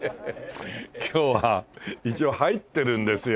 今日は一応入ってるんですよ。